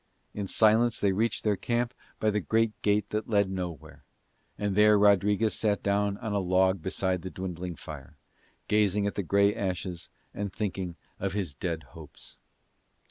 In silence they reached their camp by the great gate that led nowhere, and there Rodriguez sat down on a log beside the dwindling fire, gazing at the grey ashes and thinking of his dead hopes.